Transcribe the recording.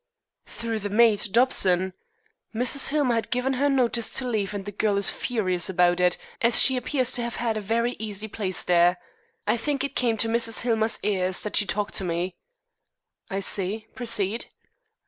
"Through the maid, Dobson. Mrs. Hillmer has given her notice to leave, and the girl is furious about it, as she appears to have had a very easy place there. I think it came to Mrs. Hillmer's ears that she talked to me." "I see. Proceed."